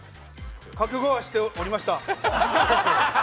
覚悟はしておりました。